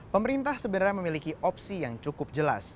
pemerintah sebenarnya memiliki opsi yang cukup jelas